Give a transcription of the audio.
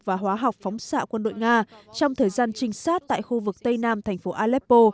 và hóa học phóng xạ quân đội nga trong thời gian trinh sát tại khu vực tây nam thành phố aleppo